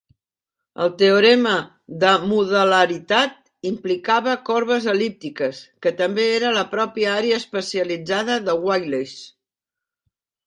El teorema de modularitat implicava corbes el·líptiques, que també era la pròpia àrea especialitzada de Wiles.